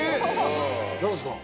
何ですか？